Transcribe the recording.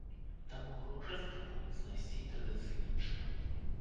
Таму грошы спрабуюць знайсці традыцыйным чынам.